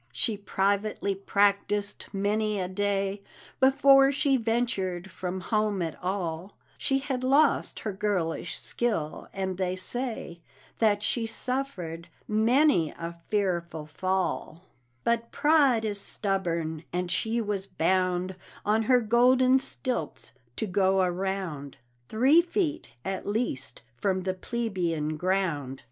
She privately practised many a day Before she ventured from home at all; She had lost her girlish skill, and they say That she suffered many a fearful fall; But pride is stubborn, and she was bound On her golden stilts to go around, Three feet, at least, from the plebeian ground.